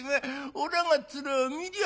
おらが面見りゃ